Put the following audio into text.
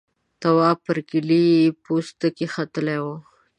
تواب پر کيلې پوستکي ختلی و.